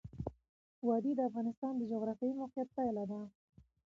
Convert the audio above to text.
وادي د افغانستان د جغرافیایي موقیعت پایله ده.